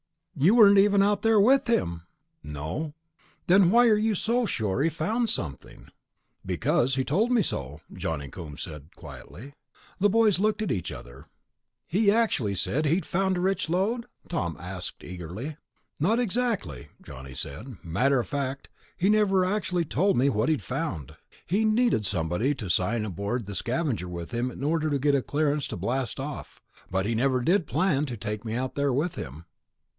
"You weren't even out there with him!" "No." "Then why are you so sure he found something?" "Because he told me so," Johnny Coombs said quietly. The boys looked at each other. "He actually said he'd found a rich lode?" Tom asked eagerly. "Not exactly," Johnny said. "Matter of fact, he never actually told me what he'd found. He needed somebody to sign aboard the Scavenger with him in order to get a clearance to blast off, but he never did plan to take me out there with him.